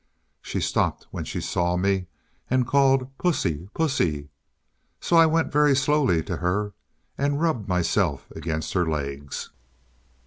"She stopped when she saw me, and called 'Pussy! pussy!' So I went very slowly to her, and rubbed myself against her legs.